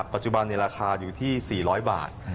ปัจจุบันราคาอยู่ที่๔๐๐บาท